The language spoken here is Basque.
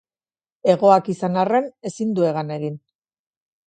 Hegoak izan arren ezin du hegan egin.